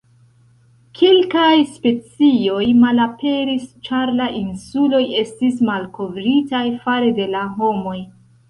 Kelkaj specioj malaperis ĉar la insuloj estis malkovritaj fare de la homoj.